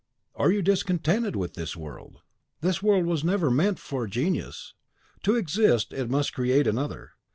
Are you discontented with this world? This world was never meant for genius! To exist, it must create another.